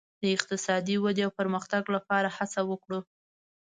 د اقتصادي ودې او پرمختګ لپاره هڅه وکړو.